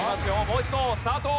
もう一度スタート。